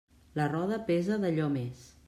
La roda pesa d'allò més.